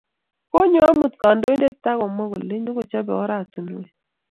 Konyo amut kandoindet ak komwa kole nyokochobe oratunwek